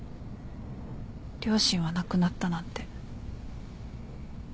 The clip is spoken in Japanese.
両親は亡くなったなんて。